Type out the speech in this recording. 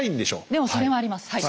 でもそれもありますはい。